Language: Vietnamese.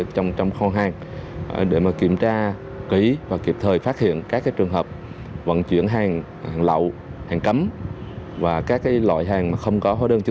chúng tôi cũng đã kiểm tra kỹ các loại phương tiện nhất là phương tiện chở hàng xe khách chở hàng hóa trong con chợ